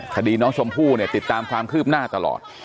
คดีน้องชมพู่เนี่ยติดตามความคืบหน้าตลอด